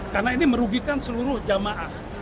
karena ini merugikan seluruh jemaah